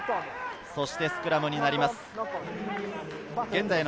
そしてスクラムになります。